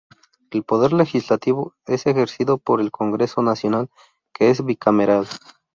El poder legislativo es ejercido por el Congreso Nacional que es bicameral.